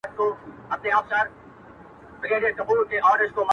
په خپل لاس مي دا تقدیر جوړ کړ ته نه وې!